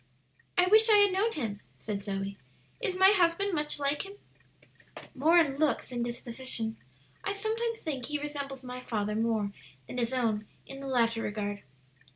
"I wish I had known him," said Zoe. "Is my husband much like him?" "More in looks than disposition. I sometimes think he resembles my father more than his own in the latter regard.